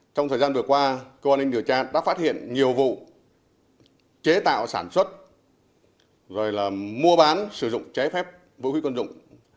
trong thời gian vừa qua công an ninh điều tra đã phát hiện nhiều vụ chế tạo sản xuất mua bán sử dụng chế phép vũ khí quân dụng